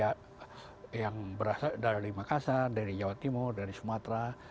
ada yang berasal dari makassar dari jawa timur dari sumatera